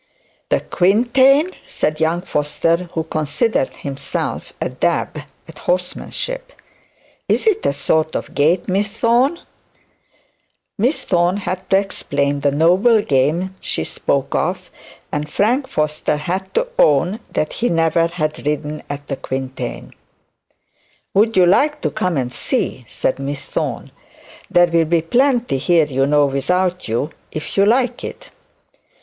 'The quintain?' said young Foster, who considered himself a dab at horsemanship. 'Is it a sort of gate, Miss Thorne?' Miss Thorne had to explain the noble game she spoke of, and Frank Foster had to own that he never had ridden at the quintain. 'Would you like to come and see?' said Miss Thorne. 'There'll be plenty here without you, if you like it.'